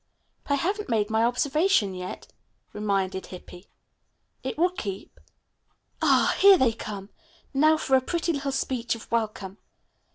"But I haven't made my observation yet," reminded Hippy. "It will keep." "Ah, here they come! Now for a pretty little speech of welcome."